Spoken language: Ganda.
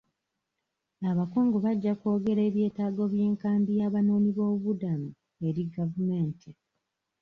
Abakungu bajja kwogera eby'etaago by'enkambi y'abanoonyiboobubudamu eri gavumenti.